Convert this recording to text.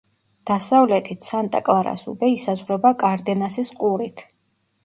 დასავლეთით სანტა-კლარას უბე ისაზღვრება კარდენასის ყურით.